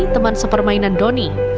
teman sepermainan doni